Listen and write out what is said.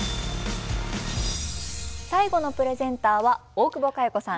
最後のプレゼンターは大久保佳代子さん。